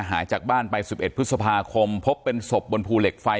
หายจากบ้านไป๑๑พฤษภาคมพบเป็นศพบนภูเหล็กไฟ